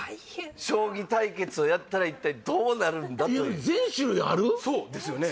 将棋対決をやったら一体どうなるんだっていうそうですよね